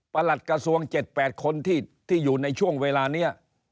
หลัดกระทรวง๗๘คนที่อยู่ในช่วงเวลานี้